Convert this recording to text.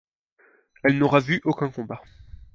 Elle n'aura vu aucun combat.